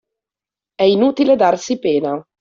È inutile darsi pena.